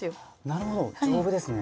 なるほど丈夫ですね。